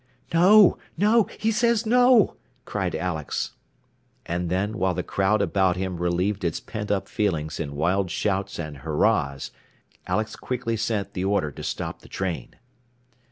"No! No! He says, no!" cried Alex. And then, while the crowd about him relieved its pent up feelings in wild shouts and hurrahs, Alex quickly sent the order to stop the train.